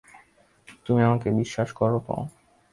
তুমি আমাকে বিশ্বাস করো তো?